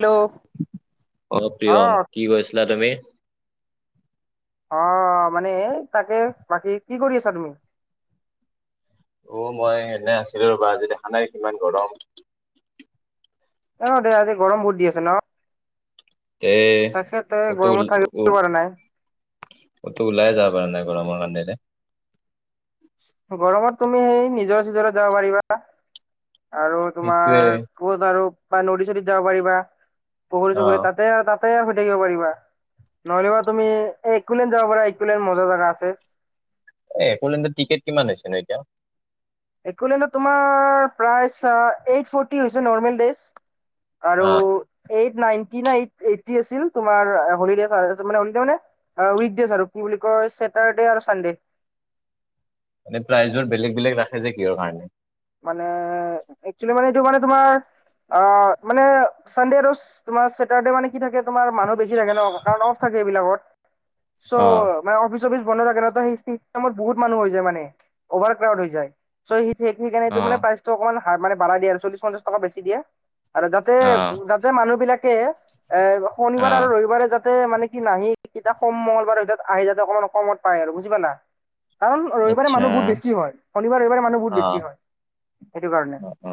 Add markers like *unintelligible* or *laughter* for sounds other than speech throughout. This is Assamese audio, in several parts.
হেল্ল' অ প্ৰিয়ম কি কৈছিলা তুমি? অ মানে তাকে বাকী কি কৰি আছা তুমি? অ মই এনে আছিলো ৰ'বা আজি দেখা নাই কিমান গৰম। ন দে আজি গৰম বহুত দি আছে ন। তে তেখেতে পুতল গৰমত থাকিব থুগোল। পৰা নাই কতো ওলাই যাব পাৰে নাই গৰমৰ কাৰণে নহ। গৰমত তুমি সেই নিজৰা চিজৰাত যাব পাৰিবা। আৰু সেইটোৱে। তোমাৰ ক'ত আৰু বা নদী চদীত যাব পাৰিবা পুখুৰী অ চুখুৰীত তাতে আৰু তাত। তাতে শুই থাকিব পাৰিবা। নহলে বা তুমি একুলেন যাব পাৰা একুলেন মজা জাগা আছে। একুলেন টিকেট কিমান হৈছে ন এতিয়া। একুলেনত তোমাৰ প্ৰায় চা আইঠ ফৰ্টি হৈছে নেৰমেল ডেইচ। আৰু অ এইট নাইনটি না আইটি আছিল তোমাৰ হলিডেইছ আৰ অনিতা মানে উইক ডেইচ আৰু কি বুলি ক চছেটাৰ্ডে আৰু চানডে। হেতো ৰাইজৰ বেলেগ বেলেগ ৰাখে যে কিহৰ কাৰণে। মানে একচেলি মানে। এইটো মানে তোমাৰ আ মানে চানডে ৰৌছ তোমাৰ ছেটাৰডে মানে কি থাকে তোমাৰ মানু- বেছি থাকে ন কাৰণ অফ থাকে এইবিলাকত চৌ অ মানে অফিচ চফিছ বন্ধ থাকে ন সেইসময়ত বহুত মানুহ হৈ যায় মানে অভাৰ ক্যাউত হৈ যায়। চৌ সেই অ সেইকাৰণটো মানে প্ৰাইচটো অকমান মানে হাড় মানে বঢ়াই দিয়া চল্লি পঞ্চাশ টকা বেছি দিয়ে। আৰু যাতে অ যাতে মানুহ বিলাকে এ অ শনিবাৰ আৰু ৰবিবাৰে যাতে মানে। নাহি কতিয়া কম মঙ্গলবাৰে আহি যাতে অকমান কমত পায় আৰু বুজি পালা। কাৰণ ৰবিবাৰে আচ্ছা মানুহ বহুত বেছি হয় শনিবাৰ ৰবিবাৰ মানুহ বহুত অ। বেছি হয়। সেইটো কাৰণে অ অ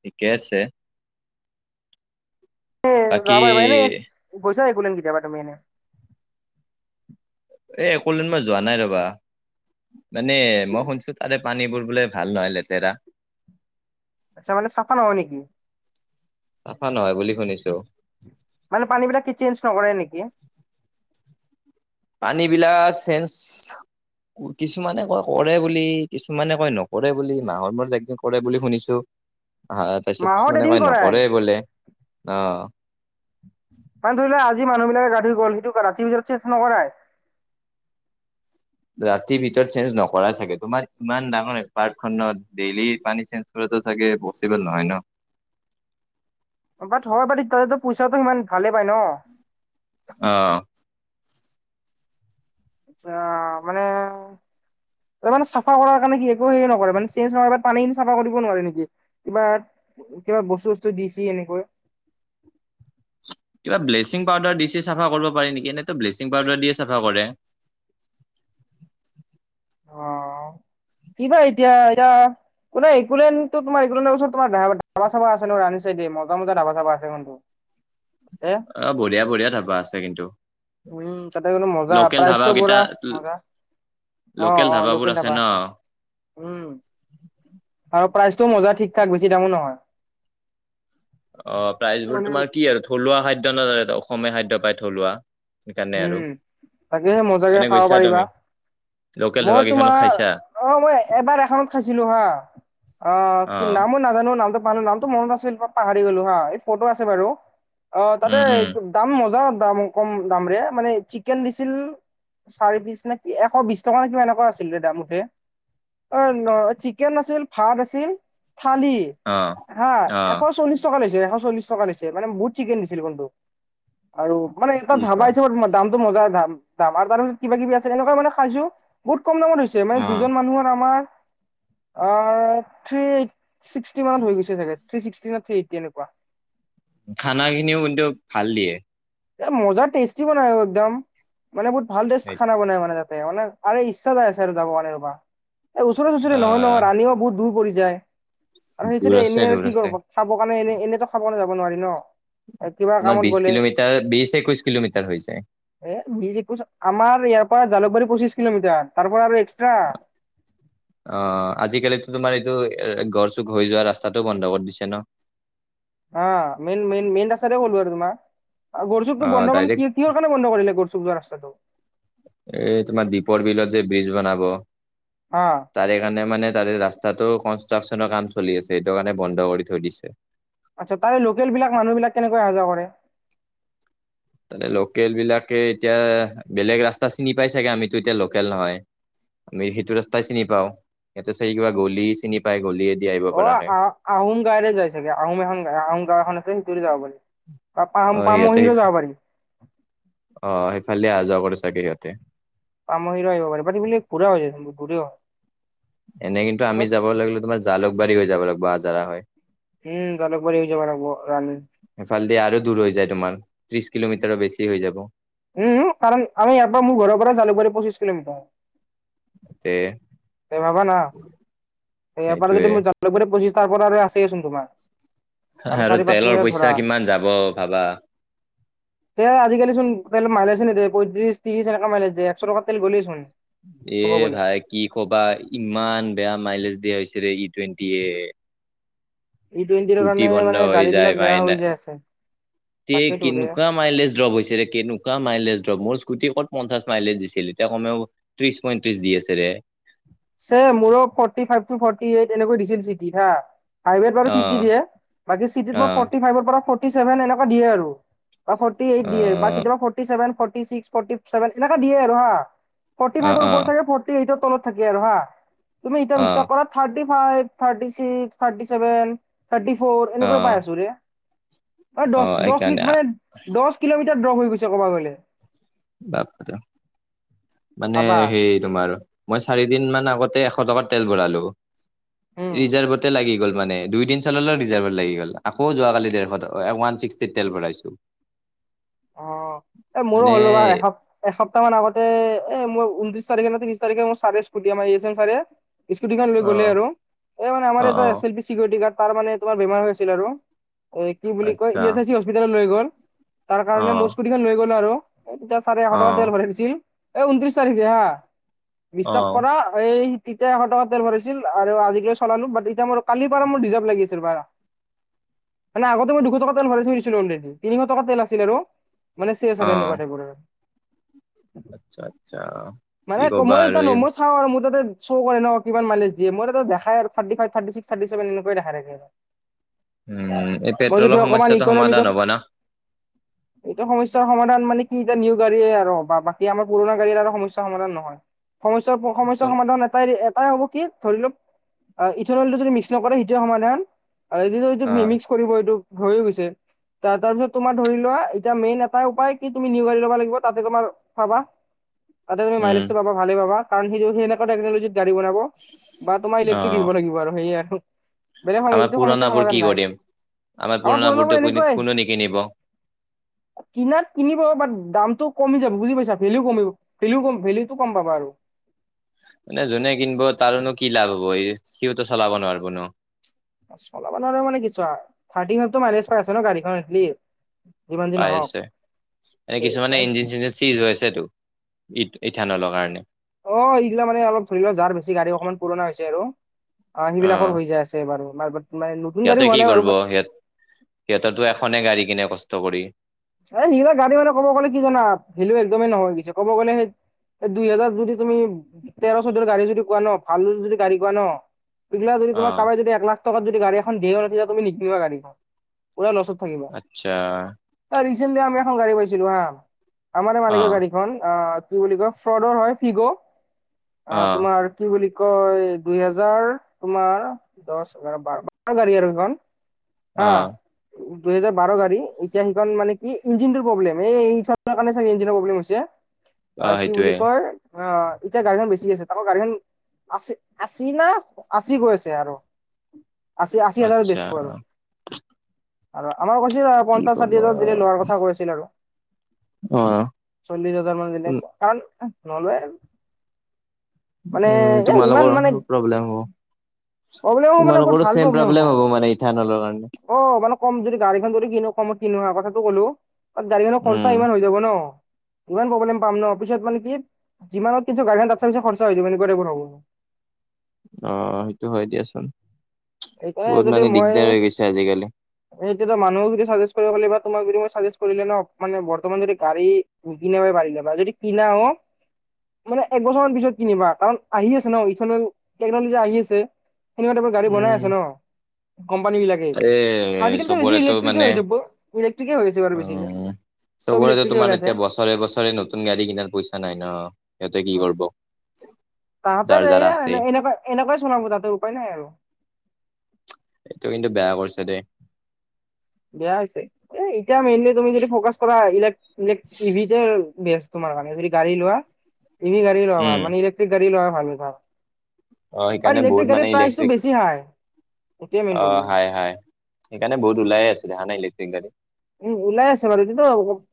ঠিকে আছে। বাকী *unintelligible* গৈছ একুলেন কেতিয়াবা তুমি এনে একুলেন মই যোৱা নাই ৰবা মানে মই শুনিছো তাৰে পানীবোৰ বোলে ভাল নহয় লেতেৰা। আচ্ছা মানে চাফা নহয় নেকি? চাফা নহয় বুলি শুনিছো। মানে পানী বিলাক কি চেঞ্জ নকৰে নেকি? পানী বিলাক চেন্স কিছুমানে কয় কৰে বুলি কিছুমানে কয় নকৰে বুলি মাহৰ মোৰত এক দিন কৰে বুলি শুনিছো। হ তাৰপিছত মাহত মানে এদিন কয় কৰাই নকৰেই গলে অ মানে ধৰি লোৱা আজি মানুহ বিলাকে গা ধুই গ'ল সেইটো ৰাতিৰ ভিতৰত চেন্স নকৰাই ৰাতিৰ ভিতৰত চেঞ্জ নকৰা চাগে তোমাৰ ইমান ডাঙৰ পাৰ্কখনত ডেইলি পানী চেঞ্জ কৰি থাকে পচিবল নহয় ন বাট হয় বাৰী তো পইচাটো সিমান ভালে পায় ন। অহ আচ্ছা মানে *inaudible* মানে চাফা কৰাৰ কাৰণে কি একো হেৰি নকৰে মানে চেঞ্জ ন পানী চাফা কৰিব নোৱাৰে নেকি কিবা কিবা বস্তু বস্তু দি ছি এনেকৈ *inaudible* কিবা ব্লিচিং পাউদাৰ দিছে চাফা কৰিব পাৰি নেকি এনেইতো ব্লিচিং পাউদাৰ দিয়ে চাফা কৰে। *inaudible* অ' কিবা এতিয়া এয়া কোনে একোলেন তোমাৰ একোলেন ওচৰত তোমাৰ ধাবা চাবা আছে নহয় ৰাণী চাইডে মজা মজা ধাবা চাবা আছে। এ অ বঢ়িয়া বঢিয়া ধাবা আছে কিন্তু উম তাতে গ'লে মজা লোকেল ধাবা প্ৰাইজটো কেইটা পুৰা মজা অ লোকেল অ ধাবাবোৰ লোকেল আছে থাবা ন উম প্ৰাইজটোও মজা ঠিক ঠাক বেছি দামো নহয় অ প্ৰাইজবোৰ মানে তোমাৰ কি আৰু থলুৱা খাদ্য ন অসমীয়া খাদ্য পায় থলুৱা সেইকাৰণে আৰু উম তাকেহে মজাকে এনে খাব গৈছা পাৰিবা। তুমি লোকেল ধাবা মই কেইখনত তোমাৰ খাইছা অ মই এবাৰ এখনত খাইছিলো হা। অ কি অ', নামো নাজানো নামটো পাহৰো নামটো মনত আছিল পাহ পাহৰি গলোঁ হা ফটো আছে বাৰু অ তাতে উম, উম, দাম মজা দাম কম দামৰে মানে চিকেন দিছিল চাৰি বিশ নেকি এশ বিশ টকা নে কিবা এনেকুৱা আছিল দাম মুখে। অ ন চিকেন আছিল ভাত আছিল। থালি অ', হা এশ অ', চল্লিশ টকা লৈছিল। এশ চল্লিশ টকা লৈছে মানে বহু চিকেন দিছিল কোনটো আৰু মানে। ত কি কোৱা ধাবাইছে দামটো মজাৰ দাম আৰু তাৰিছত কিবা কিবি আছে এনেকুৱা মানে খাইছো বহুত। কম দামত হৈছে মানে অ', দুজন মানুহৰ আমাৰ থি এইট। ছিক্সটি মানত হৈ গৈছে চাগে থ্ৰী ছিক্টি ন থ্ৰী এইটি এনেকুৱা খানা খিনিও কিন্তু ভাল দিয়ে। এ মজা টেষ্টি বনাই একদম মানে বহুত ভাল টেষ্ট খানা বনাই মানে ত মানে আ ইচ্ছা যাই আছে আৰু ত পানা এই ওচৰে চ ওচৰে নহয় অ', নহয় ৰাণীও বহুত দূৰ পৰিছে। আৰু দূৰ সেই আছে এনে আৰু দূৰ কি কৰ আছে খাব কাৰণে এনে এনেতো খাব নে যাব নোৱাৰি ন কিবা তোমাৰ কামত বিশ গলে কিলোমিটাৰ বিশ একৈশ কিলোমিটাৰ হৈ যায়। বজ কছ আমাৰ ইয় পৰা জালুবাৰী পঁচিচ কিলোমিটাৰ তাৰ পৰা আৰু এক্সট্ৰা অ আজিকালি তোমাৰ এইটো এ গড় চুক হৈ যোৱা ৰাস্তাটো বন্ধ কৰি দিছে ন। অ মেইন মেইন মেইন চাৰ ক'লোৱাৰাৰ তম গৰচুখটো অ', বন্ধ মানে ডাইৰেক্ট কি কিহৰ কাৰণে বন্ধ কৰিলে গৰচুখ যোৱা ৰাস্তাতটো এ তোমাৰ দ্বীপৰ বিলত যে ব্ৰীজ বনাব হা তাৰে কাৰণে মানে তাৰে ৰাস্তাটো কনষ্ট্ৰাকশনৰ কাম চলি আছে সেইটো কাৰণে বন্ধ কৰি থৈ দিছে। আচ্ছা তাৰে লোকেল বিলাক মানুহ বিলাক কেনেকৈ অহা যোৱা কৰে। *inaudible* ত লোকেল বিলাকে এতিয়া বেলেগ ৰাস্তা চিনি পাই চাগে আমিতো এতিয়া লোকেল নহয় আমি সেইটো ৰাস্তাই চিনি পাওঁ ইহতে চ কিবা গলি চিনি পাই গলি অ আহ আহোম গাঁৱৰে যাই চাগে আহোম এখন আহোম গাঁও এখন আছে সিটোৰে যাব বুলি। ত অ পাম সিহঁতে পামহি সেই যাব পাৰি। অ সেইফালে আ যোৱা কৰি চাগে সিহঁতে। পাম হিৰা আহিব পাৰে পাট ম পুৰা য ভুৰে *unintelligible* এনে কিন্তু আমি যাব লাগিলো তোমাৰ জালুকবাৰী হৈ যাব লাগিব আজাৰা হয়। উম জালুকবাৰী হৈ যাব লাগিব ৰাণী এফালদি আৰু দূৰ হৈ যায় তোমাৰ। ত্ৰিশ কিলোমিটাৰৰ বেছি হৈ যাব। উম কাৰণ আমি ইয়াৰ পৰা মোৰ ঘৰৰ পৰা জালুকবাৰী পঁচিশ কিলোমিটাৰ হয়। তে এই বাবা না সয়াৰ পৰা সেইটোয়ে যদি মোৰ জালকব পঁচিছ তাৰ পৰা আৰু আছেচোন তোমাৰ। আৰু চাৰি পাঁচ তেলৰ কিলোমিটাৰ পইচা ধৰা কিমান যাব ভাবা? তে আজিকালি চোন তেলে মাল আছে নে দে। পঁত্ৰিশ ত্ৰিছ এনেকা মে একশ টকা তেল গ'লে চোন। এ ক'ব গ'লে ভাই কি কবা। ইমান বেয়া মাইলেজ দিয়া হৈছিল ই টুৱেণ্টিে। ই টুৱেণ্টিৰ স্কুটি কাৰণে বন্ধ মানে হৈ গাড়ী যায় বিলাক বেয়া হৈ পায়না যায় আছে এ তাকেইতো ৰে কেনেকুৱা মাইলেজ ড্ৰপ হৈছে কেনেকুৱা মাইলেজ ড্ৰপ মোৰ। স্কুটি ক'ত পঞ্চাছ মাইলেজ দিছিল এতিয়া কমেও ত্ৰিশ পইত্ৰিশ দি আছেৰে। মোৰক forty five to forty eight এনেকৈ দিছিল চিটি হা ফাইভাৰ অ ফটি দিয়ে চিট অ ফট ফ ফ দিয়ে আৰু বা ফটি এইট অ দিয়ে বা কেতিয়াবা ফৰটিচেভেন ফৰ্তী এইত স ফৰটি চেভেন এনেকা দিয়ে আৰু হা। ফৰ্টি অ ফাইভৰ অ ওপৰত থাকে ফৰ্টি এইটৰ তলত থাকে আৰু হা তুমি এতিয়া অ বিশ্বাস কৰা। ফ থাৰটি চিক্স থাৰ্টিছেভেন থাৰ্টি ফ অ এনেকুৱা পাই আছো। অ দ সেইকাৰণে মানে দহ কিলোমিটাৰ ড্ৰ হৈ গৈছে ক'ব গ'লে। বাপ মানে ভাবা সেই তোমাৰ মই চাৰিদিন মান। এশ টকা তেল ভৰালো উম ৰিজাৰ্তে লাগি গল মানে দুই দিন চলালেও ৰিজাৰ্ভত লাগি গ'ল আকৌ যোৱাকালি ডেৰশ টকা ওৱান ছিক্সটি তেল ভৰাইছো অ এ মোৰো মানে হ'লো বা এসপ এসপ্তাহ মান আগতে এ মই ঊনত্ৰিছ *unintelligible* স্কুটি খন লৈ অ গ'লে আৰু এ মানে আমাৰ অ এটা অ S L P security guard তাৰ মানে তোমাৰ বেমাৰ হৈ আছিল আৰু অ কি বুলি কয় আচ্ছা ই এছ আ চি হস্পিতালত লৈ গ'ল তাৰ অ কাৰণে মোৰ স্কুটিখন লৈ গ'লো আৰু এই তেতিয়া চাৰে এশ অ টকা তেল ভৰাই দিছিল এই ঊনত্ৰিশ তাৰিখে হা অ বিশ্বাস কৰা এই। তেতিয়া এশ টকা তেল ভৰাছিল আৰু আজিকৈ চলালো ব এতিয়া মোৰ কালিৰ পৰাৰ মোৰ ৰিজাৰ্ভ লাগিছিল বাৰা। মানে আগতে মই দুশ টকা তেল ভৰাই থুৰিছিলো অলৰেডী তিনিশ টকা তেল আছে। আছিল আৰু মানে শে আৰু অ এনেকুৱা টাইপ। আচ্ছা আচ্ছা কি মানে ক ক'বা মই আৰু এ এই নম্বৰ চাওঁ আৰু মোৰ তাতে। শ' কৰে ন কিমান ম দে মই দেখাই আৰু থাৰ্টি ফাইভ থৰ্তিসিশ থাৰ্ত্যসেৱেন দেখাই থাকে আৰু। উম এতিয়া পেট্ৰলৰ সমস্যাটো ইকনমিকত সমাধান হ'ব না। এইটো সমস্যাৰ সমাধান মানে কি এতিয়া নিউ গাড়ীয়ে আৰু বা বাকী আমাৰ পুৰণা গাড়ীৰ আৰু সমস্যাৰ সমাধান নহয়। সমস্যাৰ সমস্যাৰ সমাধানৰ এটাই। তাই হ'ব কি ধৰি লওক ইথনলটো যদি মিক্স নকৰে সেইটোৱে সমাধান। আৰু এই এইটো অ মিমিক্স কৰিব এইটো হৈয়ে গৈছে ত তাৰপিছত তোমাৰ। ধৰি লোৱা এতিয়া মেইন এটা উপায় কি তুমি নি গাড়ী ল'ব লাগিব তাতে তোমাৰ চাবা। তাতে তুমি উম মলেজটো পাব ভালে কাৰণ সেইটো সেনেকুৱ টেকনলজিত গাড়ী বনাব। বা তোমাৰ অ ইলেক্ট্ৰিক ল'ব লাগিব আৰু সেয়ে আৰু বেলেগ সম আমাৰ এইটো সমস্যাৰ পুৰণাবোৰ কি সমাধান নাই কৰিম আমাৰ পুৰণা পুৰণাবোৰতো বোৰ কোনে এনেকুৱাই কোনো নিকিনিব কিনাত কিনি পাব বাট দামটো কমি যাব বুজি পাইছা ভেলিও কমিব ভেলিউ কম ভেলিুটো কম পাবা। বাৰু। মানে যোনে কিনিব তাৰোনো কি লাভ হ'ব এই সিওতো চলাব নোৱাৰিব ন। চলাবা নোৱাৰে মানে কিছ থাৰ্ট ফাইভ মাইলেজ পাই আছে ন গাড়ীখন এতলি। পাই আছে এনে কিছুমানে মানে ইঞ্জিন চিঞ্জিন চিজ হৈ আছেটো। ই ইথানলৰ কাৰণে অ এইগিলা মানে অলপ ধৰি লও যাৰ বেছি গাড়ী অকমান পুৰণা হৈছে আৰু অ সেইবিলাকৰ হৈ যায় আছে বাৰু নতুন গাড়ী সিহঁতে হোৱা কি নাই বাৰু কৰিব সিহঁত সিহঁতেটো এখনে গাড়ী কিনে কষ্ট কৰি এই সি গাড়ী মানে কব গ'লে কি জানা ভেলো একদমেই নহয় হৈগৈছে ক'ব গ'লে সেই এই দুই হোজাৰ যদি তুমি তেৰ চৈধ গাড়ী যদি কোৱা ন ভাল যদি গাড়ী কোৱা ন এইগিলা যদি অ তোমাক কামাই যদি এক লাখ টকা গাড়ী এখন দিয়ে না য তুমি নিকিনিবা গড়ীখন আচ্ছা ৰিচেনতলি আমি এখন গাড়ী পাইছিলো হা আমাৰে অ মালিকৰ গাড়ী খন আ কি বুলি কয় ফ্ৰডৰ হয় ফিগ' অ অ তোমাৰ কি বুলি কয় দুই হেজাৰ তোমাৰ দহ এঘাৰ বাৰ বাৰ গাড়ীইখন অ হা দুহেজাৰ বাৰ গাড়ী এতিয়া সি মানে কি ইঞজিন প্ৰব্লেম এই কাৰণে চাগ ইঞ্জনৰ প্ৰব্লেম হৈছে অ কি বুলি কয় আহ এতিয়া গাড়ীখন বেছি আছে তাকো গাড়ীখন আছ আশী না আশী গৈ আছে আৰু আশী আশী হাজাৰ আচ্ছা বেছব আৰু আৰু আমাৰ কৈছে কি পঞ্চাশ ক'ব চল্লিশ হাজাৰ দিলে লোৱাৰ কথা কৈছিল আৰু অ চল্লিশ হাজাৰ মান দিলে উম, কাৰণ নলয় মানে উম এ ইমান তোমালোকৰ মানে প্ৰব্লেম হব প্ৰব্লেম মানে বহুত তোমালোকৰো ভাল চেম প্ৰব্লেম হব মানে ইথালনৰ কাৰণে অ মানে কম যদি গাড়ীখন যদি কিনো কমত কিনোৱা কথাটো ক'লো গাড়ীখনৰ উম, খৰছা ইমান হৈ যাব ন ইমান প্ৰব্লেম পাম ন পিছত মানে কি যিমানত কিনছো গাড়ী তাতছে পিছত খৰচা হৈ য এনেকোৱা টাপৰ হব আহ সেইটো হয় দিয়াচোন সেইকাৰণে বহুত যদি মানে মই দিগদাৰ হৈ গৈছে আজিকালি। এইটো মানুহক চাজেষ্ট কৰিব পাৰু কেতিয়াবা তুমাক যদি ছাৰ্ভিচ কৰি ন মানে বৰ্তমান যদি গাড়ী কিনি পাৰিলে বা যদি কিনাও মানে একবছৰ মান পিছত কিনিবা কাৰণ আহি আছে ন ইথ টেকনলজি আহি আছে। সনেকুৱা টাইমৰ গাড়ী বনাই উম, আছে ন কোম্পানী বিলাকে এ আজিকালো বেছি চবৰেতো ইলেক্ট্ৰিকে মানে হৈ যাব। ইলেক্ট্ৰিকে হৈছে বাৰু বেছিকে। চব চবৰে ইলেক্ট্ৰিকে তোমাৰ এতিয়া ওলাইছে বছৰে বছৰে নতুন গাড়ী কিনাৰ পইচা নাই ন সিহঁতে কি কৰিব। *inaudible* যাৰ তাহাঁতেৰ যাৰ এইয়া আছে। এনেকুৱা এনেকুৱাই চলাব তাহতে উপায় নাই আৰু এইটো কিন্তু বেয়া কৰিছে দেই। বেয়া হৈছে এ এতিয়া মেইনলি তুমি যদি ফকাচ কৰা ইভিতে বেষ্ট। তোমাৰ মানে গাড়ী লোৱা ই গাড়ী লোৱা ভাল উম, মানে ইলেক্ট্ৰিক গাড়ী লোৱা ভাল হয়। অ' আৰু সেইকাৰণে বহুত ইলেক্ট্ৰিক মানে গাড়ীৰ প্ৰাইচটো ইলেক্ট্ৰিক বেছি হয়। অ হাই হাই সেইকাৰণে বহুত ওলাইে আছিলে হানে ইলেক্ট্ৰিক গাড়ী। উম ওলাই আছে বাৰু য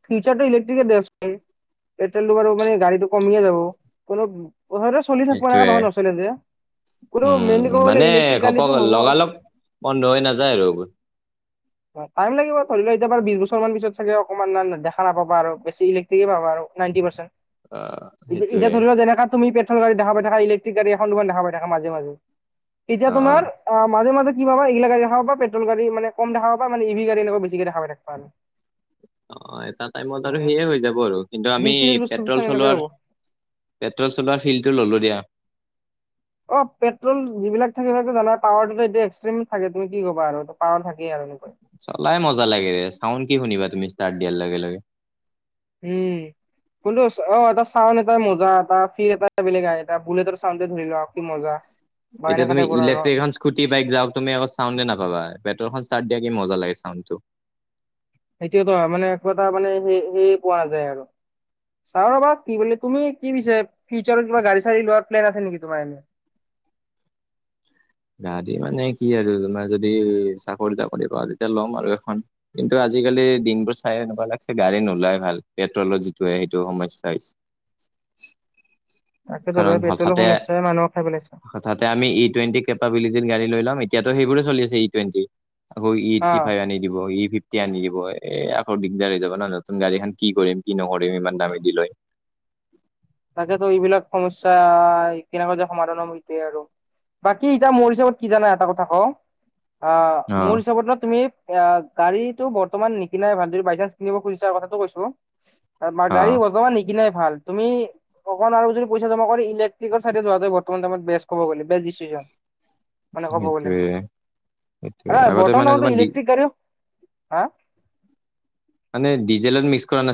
ফিউচাৰটো ইলেক্ট্ৰিকে বেষ্ট। পেট্ৰলটো বাৰু মানে গাড়ীটো কমিয়ে যাব কোনো কথাতো চলি থাকিব ন সেইটোয়ে নচছিললে যে কোনো ম উম, মানে কবলে ইলেক্ট্ৰিক গাড়ী ঘপক হব আৰু লগালগ বন্ধ হৈ নাযায় আৰু টাইম লাগিব ধৰি ল এতিয়াৰ বিশ বছৰ মান পিছত চাগে অকনমানমান দেখা নাপাবা আৰু বেছি ইলেক্ট্ৰিক পাবা আৰু নাইনটি পাৰ্চেন্ত আহ এতিয়া সেইটোৱে ধৰি ল যেনেকা তুমি গাড়ী দেখা পাই থাক ইলেক্ট্ৰিক গাড়ী এখন দেখ পাই থাকা মাজে মাজে এতিয়া তোমাৰ অ মাজে মাজে কি পা এইবিলাক পেট্ৰ গাড়ীনে কম দোবা মে ই ভাড় এনেুৱা বেছি দেখা পাৱা আৰু অ এটা টাইমত আৰু মানে সেইয়ে হৈ যাব আৰু কিন্তু বিশ আমি ত্ৰিশ বছৰ পেট্ৰল পিছত এনেকৈ হ'ব চলোৱাৰ। পেট্ৰল চলোৱা ফিল্ডটো ললো দিয়া। অ পেট্ৰল যিবিলাক থাকিবিলাক জানা পাৱাৰটো এক্সট্ৰিম থাকে তুমি কি ক'বা আৰু পাৱাৰ থাকে। চলাই মজা লাগেৰে চাউণ্ড কি শুনিবা তুমি ষ্টাৰ্ট দিয়াৰ লগে লগে উম। কোনটো অ এটা চাউণ্ড এটাই মজা এটা এটা বেলেগ এ বুলেটৰ চাউণ্ড ধৰিলোৱা আৰু কি মজা। বা এতিয়া এনেকা তুমি টাইপৰ আৰু ইলেক্ট্ৰিক এখন স্কুটি বাইক যাও তুমি আকৌ চাউণ্ড নাপাবা চ দিয়াক কি মজা লাগে চাউণ্ডটো। এইটোয়ো টো মানে একো এটা মানে সেয়ে পোৱা নাযায় আৰু চা ৰবা কি বুলি তুমি কি পিছো ফিউচাৰত কিবা গাড়ী চাড়ী লোৱাৰ প্লেন আছে নেকি? তোমাৰ এনে গাড়ী মানে কি? আৰু তোমাৰ যদি চাকৰি টাকৰি কৰা তেতিয়া ল'ম আৰু এখন কিন্তু আজিকালি দিন বোৰ চাই এনেকুৱা লাগছে গা। গাড়ী নোলাই ভাল পেট্ৰলৰ যিটো সেইটো সমস্যা হৈছে। তাকেতো ৰে কাৰণ পেট্ৰলৰ হঠাতে সমস্যাই মানুহক খাই পেলাইছে। হঠাতে আমি ই টুৱেণ্টি কেপাবিলিট গাড়ীত। লৈ লম এতিয়া সেইবোৰে চলি আছে। ই টোবেন্তী ই এইতি অ' ফাইভ আ দিব ই এতিয়া নিদিব এ আকৌ দিগদাৰ হৈ যাব ন নতুন গাড়ীখন কি কৰিম কি নকৰিম ইমান দামেদি লৈ। *inaudible* তাকেতো এইবিলাক সমস্যা কেনোকা যে সমাধান হব হৈছে আৰু বাকী এতিয়া মোৰ হিচাপত কি জানা এটা কথা কওঁ আহ অ মোৰ হিচাপত ন তুমি? এ গাড়ীটো বৰ্তমান নিকিনাই ভালদৰি বাই চান্স কিনিব খুজিছা কথাটো কৈছো। ম অ গাড়ী বৰ্তমান নিকিনাই ভাল তুমি? অকণ আৰু যদি পইচা জমা কৰি ইলেক্টিকৰ চাই য ব্ত বে কব গ'লে বেছ দিছিজন। ম ক'ব গ'লে সেইটোয়ে সেইটোয়ে আ আগতে বটন মানে ত তোমাৰ ইলেকট্ৰিক গাড়ী। হা মানে ডিজেলত মিক্স কৰা নাছিল।